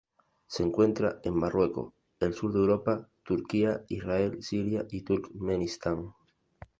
Se encuentra en Marruecos, el sur de Europa, Turquía, Israel, Siria y Turkmenistán.